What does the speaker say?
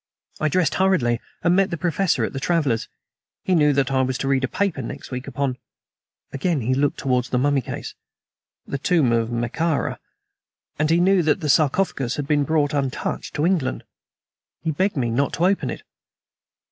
I dressed hurriedly and met the professor at the Traveler's. He knew that I was to read a paper next week upon" again he looked toward the mummy case "the tomb of Mekara; and he knew that the sarcophagus had been brought, untouched, to England. He begged me not to open it."